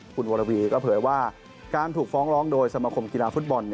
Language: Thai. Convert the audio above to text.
คุณวรวีก็เผยว่าการถูกฟ้องร้องโดยสมคมกีฬาฟุตบอล